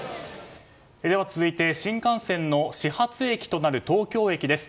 続いて、新幹線の始発駅となる東京駅です。